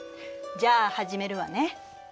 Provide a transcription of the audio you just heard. じゃあ始めるわね。